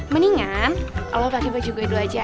mendingan lo pake baju gue dulu aja